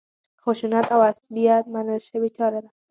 خشونت او عصبیت منل شوې چاره ده.